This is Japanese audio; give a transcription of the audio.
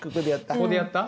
ここでやった？